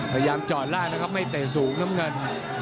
พยายามจอดล่างนะครับไม่เตะสูงน้ำเงิน